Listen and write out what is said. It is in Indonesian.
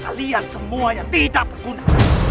kalian semua yang tidak berguna